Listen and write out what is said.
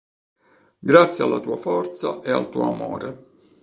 Grazie alla tua forza e al tuo amore.